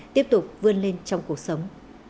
tiếp tục vươn lên trong cuộc sống